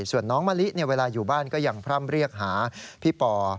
ส่วนน้องมะลิเวลาอยู่บ้านก็ยังพร่ำเรียกหาพี่ปอ